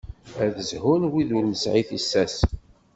Ad zhun wid ur nesɛi tissas.